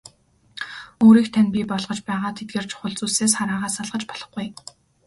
Өөрийг тань бий болгож байгаа тэдгээр чухал зүйлсээс хараагаа салгаж болохгүй.